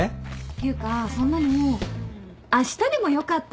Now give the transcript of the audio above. ていうかそんなのあしたでもよかったのに。